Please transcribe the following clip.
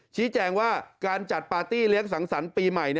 ชี้แจงว่าการจัดปาร์ตี้เลี้ยงสังสรรค์ปีใหม่